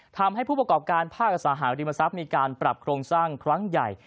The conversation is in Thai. ทำให้ผู้ประกอบการภาคอสังหาริมทรัพย์มีการปรับโครงสร้างครั้งใหญ่